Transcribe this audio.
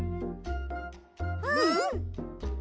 うん！